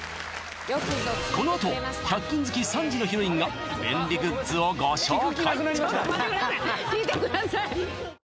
このあと１００均好き３時のヒロインが便利グッズをご紹介！